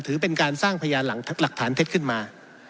ถือเป็นการสร้างพยานหลักฐานเท็จขึ้นมา